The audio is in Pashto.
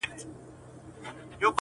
يوه ورځ نوبت په خپله د سلطان سو.!